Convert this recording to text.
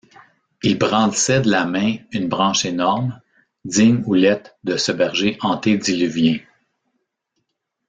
Il brandissait de la main une branche énorme, digne houlette de ce berger antédiluvien.